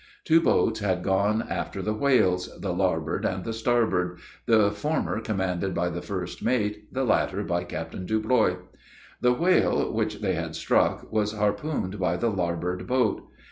Two boats had gone after the whales the larboard and the starboard, the former commanded by the first mate, the latter by Captain Deblois. The whale which they had struck, was harpooned by the larboard boat.